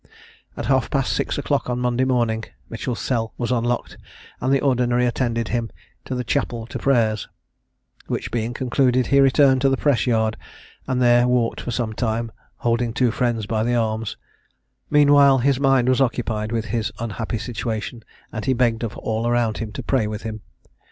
At half past six o'clock on Monday morning Mitchell's cell was unlocked, and the Ordinary attended him to the chapel to prayers; which being concluded, he returned to the Press yard, and there walked for some time, holding two friends by the arms; meanwhile his mind was occupied with his unhappy situation; and he begged of all around him to pray with him.